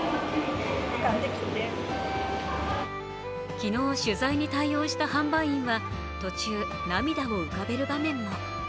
昨日、取材に対応した販売員は、途中涙を浮かべる場面も。